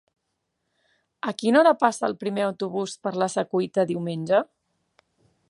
A quina hora passa el primer autobús per la Secuita diumenge?